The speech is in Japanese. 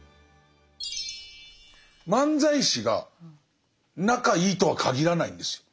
漫才師が仲いいとはかぎらないんですよ。